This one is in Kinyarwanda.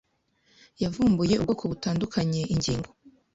yavumbuye ubwoko butandukanye ingingo